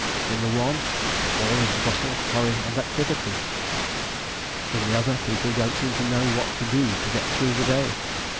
In the one, all is bustle, hurry, and activity; in the other, people don't seem to know what to do to get through the day.